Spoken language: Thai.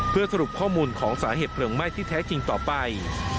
เพื่อสรุปข้อมูลของสาเหตุเพลิงไหม้ที่แท้จริงต่อไป